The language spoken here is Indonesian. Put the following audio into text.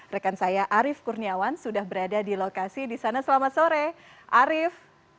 rekan saya arief kurniawan sudah berada di lokasi di sana selamat sore arief